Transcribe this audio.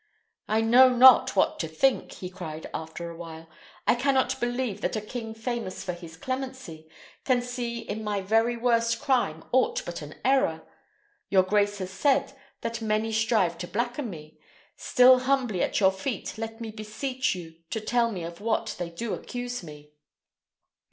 "I know not what to think," he cried, after a while; "I cannot believe that a king famous for his clemency, can see in my very worst crime aught but an error. Your grace has said that many strive to blacken me; still humbly at your feet let me beseech you to tell me of what they do accuse me."